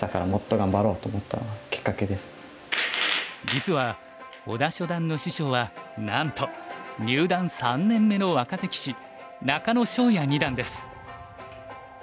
実は保田初段の師匠はなんと入段３年目の若手棋士中野奨也二段です。